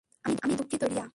আমি দুঃখিত, রিয়া।